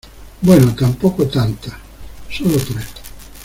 bueno, tampoco tantas , solo tres.